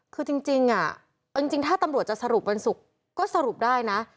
คือจริงเอาจริงถ้าตำรวจจะสรุปวันศุกร์ก็สรุปได้นะ